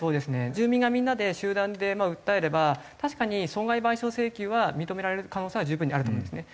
住民がみんなで集団で訴えれば確かに損害賠償請求は認められる可能性は十分にあると思うんですね。